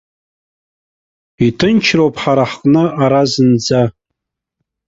Иҭынчроуп ҳара ҳҟны ара зынӡа.